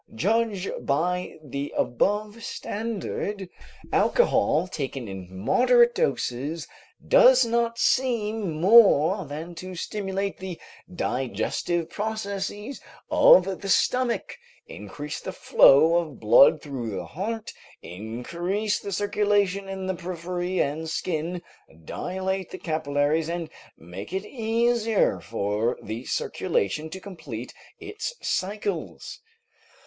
Judge by the above standard, alcohol taken in moderate doses does not seem more than to stimulate the digestive processes of the stomach, increase the flow of blood through the heart, increase the circulation in the periphery and skin, dilate the capillaries, and make it easier for the circulation to complete its cycles.